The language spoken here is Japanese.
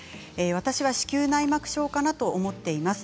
私は子宮内膜症かなと思っています。